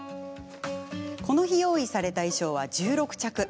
この日、用意された衣装は１６着。